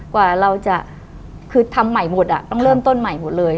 กว่าเราจะคือทำใหม่หมดอ่ะต้องเริ่มต้นใหม่หมดเลย